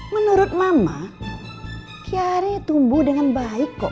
menurut mama kiari tumbuh dengan baik kok